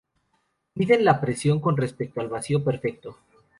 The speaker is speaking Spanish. Miden la presión con respecto al vacío perfecto.